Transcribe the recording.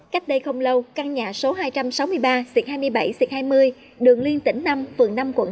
cách đây không lâu căn nhà số hai trăm sáu mươi ba xuyệt hai mươi bảy xịt hai mươi đường liên tỉnh năm phường năm quận tám